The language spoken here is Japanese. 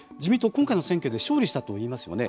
今回の選挙で勝利したといいますよね。